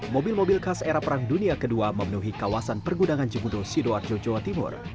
mobil mobil khas era perang dunia ii memenuhi kawasan pergudangan jemudo sidoarjo jawa timur